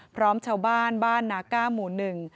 พร้อมชาวบ้านบ้านนาก้าหมู่หนึ่ง